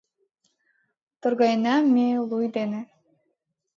Торгаена ме луй ден